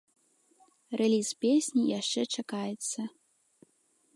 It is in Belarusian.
Рэліз песні яшчэ чакаецца.